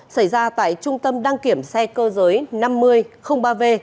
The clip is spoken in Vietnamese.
xảy ra tại trung tâm đăng kiểm xe cơ giới năm mươi ba v